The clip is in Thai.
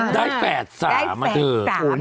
ได้แฝด๓นะคุณ